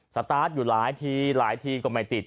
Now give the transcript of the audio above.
สตาร์ทอยู่หลายทีหลายทีก็ไม่ติด